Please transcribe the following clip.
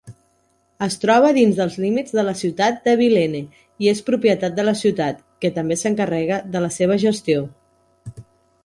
Es troba dins dels límits de la ciutat d"Abilene i és propietat de la ciutat, que també s"encarrega de la seva gestió.